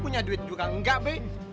punya duit juga enggak b